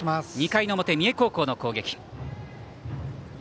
２回表、三重高校の攻撃。